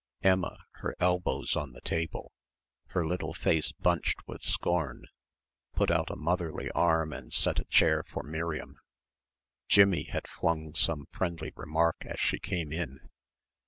Emma, her elbows on the table, her little face bunched with scorn, put out a motherly arm and set a chair for Miriam. Jimmie had flung some friendly remark as she came in.